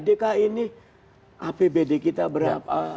dki ini apbd kita berapa